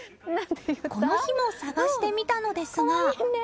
この日も探してみたのですが。